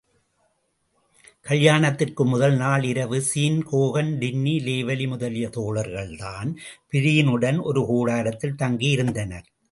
கல்யாணத்திற்கு முதல் நாள் இரவு ஸீன் ஹோகன், டின்னி லேவலி முதலிய தோழர்கள் தான்பிரீனுடன் ஒரு கூடாரத்தில் தங்கியிருந்தனர்.